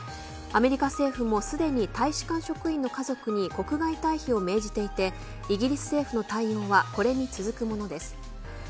アメリカ政府も、すでに大使館職員の家族に国外退避を命じていてイギリス政府の対応はこれに続くものです。